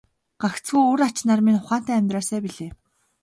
Гагцхүү үр ач нар минь ухаантай амьдраасай билээ.